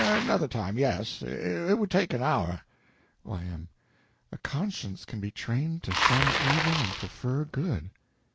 Another time, yes. It would take an hour. Y.M. A conscience can be trained to shun evil and prefer good?